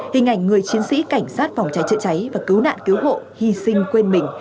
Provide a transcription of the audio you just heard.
hình ảnh người chiến sĩ cảnh sát phòng cháy chữa cháy và cứu nạn cứu hộ hy sinh quên mình